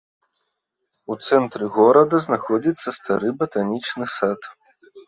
У цэнтры горада знаходзіцца стары батанічны сад.